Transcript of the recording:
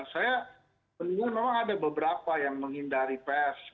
saya melihat memang ada beberapa yang menghindari pes